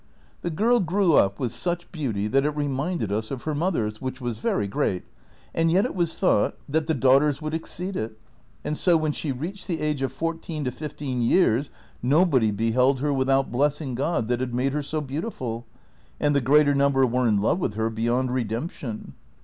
The girl grew up with such beauty that it reminded us of her mother's, which was very great, and yet it was thought that the daughter's would exceed it ; and so when she reached the age of fourteen to fifteen years nobody beheld her without blessing God that had made her so beautiful, and the greater number were in love with her beyond redemption.